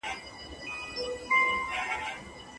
- میرعلی احمد شامل ، ليکوال او فوکلوريست.